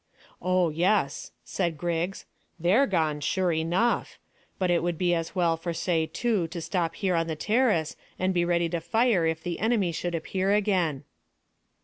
"Oh yes," said Griggs, "they're gone, sure enough. But it would be as well for say two to stop here on the terrace and be ready to fire if the enemy should appear again."